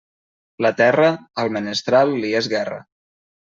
La terra, al menestral li és guerra.